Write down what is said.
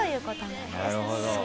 なるほど。